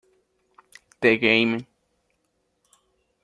Son aviones a reacción de fuselaje estrecho de corto y mediano alcance.